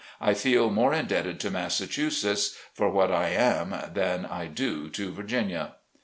I feel more indebted to Massachusetts for what I am than I do to Virginia.